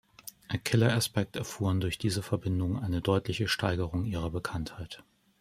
Killer Aspect erfuhren durch diese Verbindung eine deutliche Steigerung ihrer Bekanntheit.